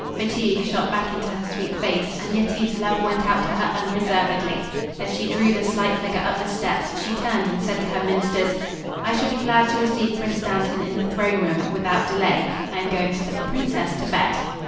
Fatigue shot back into her sweet face, and Yetive's love went out to her unreservedly. As she drew the slight figure up the steps she turned and said to her ministers: "I shall be glad to receive Prince Dantan in the throne room, without delay. I am going to put the princess to bed."